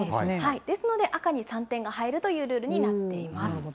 ですので、赤に３点が入るというルールになっています。